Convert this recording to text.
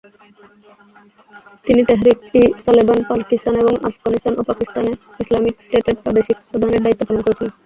তিনি তেহরিক-ই-তালেবান পাকিস্তান এবং আফগানিস্তান ও পাকিস্তানে ইসলামিক স্টেটের প্রাদেশিক প্রধানের দায়িত্ব পালন করেছিলেন।